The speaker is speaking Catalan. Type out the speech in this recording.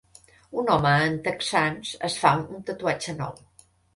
Un home amb texans es fa un tatuatge nou.